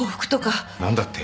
何だって？